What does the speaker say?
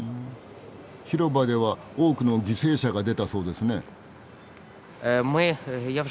広場では多くの犠牲者が出たそうですね。